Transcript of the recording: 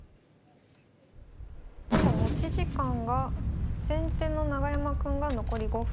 今持ち時間が先手の永山くんが残り５分。